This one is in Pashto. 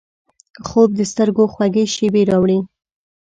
خوب د سترګو خوږې شیبې راوړي